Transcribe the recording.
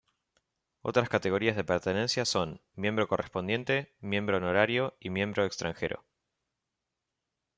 Otras categorías de pertenencia son: miembro correspondiente, miembro honorario y miembro extranjero.